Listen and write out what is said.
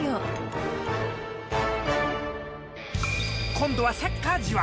今度はサッカーじわ。